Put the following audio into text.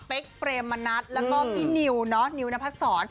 เป๊กเปรมมณัสแล้วก็พี่นิวนิวนพักศร